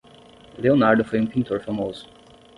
Leonardo foi um pintor famoso.